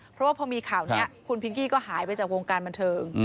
เพราะว่าพอมีข่าวนี้คุณพิงกี้ก็หายไปจากวงการบันเทิง